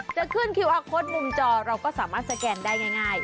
จะขึ้นคิวอาร์โค้ดมุมจอเราก็สามารถสแกนได้ง่าย